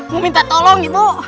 mau minta tolong ibu